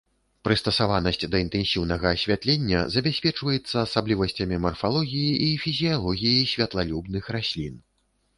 Прыстасаванасць да інтэнсіўнага асвятлення забяспечваецца асаблівасцямі марфалогіі і фізіялогіі святлалюбных раслін.